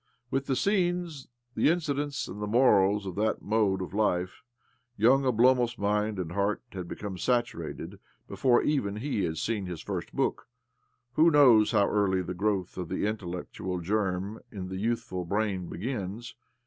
With the scenes, the inci dents, and the morals of that mode of life young Obiomov's mind and heart had become satumted before even he had seen his first book.. Who knows how early the growth of the intellectual germ in the youthful brain begins?